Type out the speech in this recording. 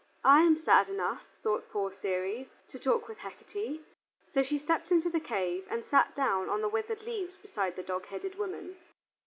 "I am sad enough," thought poor Ceres, "to talk with Hecate:" so she stepped into the cave and sat down on the withered leaves beside the dog headed woman.